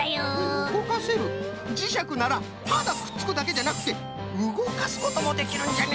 うごかせるじしゃくならただくっつくだけじゃなくてうごかすこともできるんじゃね。